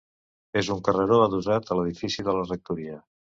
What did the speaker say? És un carreró adossat a l'edifici de la rectoria.